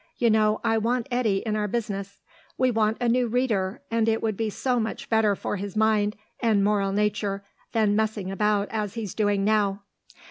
You know, I want Eddy in our business. We want a new reader, and it would be so much better for his mind and moral nature than messing about as he's doing now."